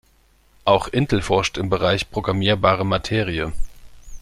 Auch Intel forscht im Bereich programmierbare Materie.